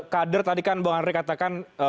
kader tadi kan pak andri katakan